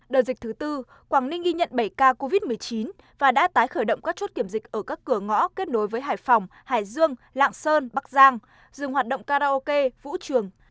đợt dịch thứ tư quảng ninh ghi nhận bảy ca covid một mươi chín và đã tái khởi động các chốt kiểm dịch ở các cửa ngõ kết nối với hải phòng hải dương lạng sơn bắc giang dừng hoạt động karaoke vũ trường